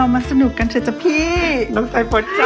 พี่ถึกจ้า